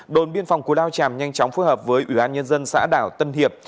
đồn biên phòng cú lao tràm nhanh chóng phối hợp với ủy ban nhân dân xã đảo tân hiệp